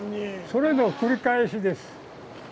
それの繰り返しです。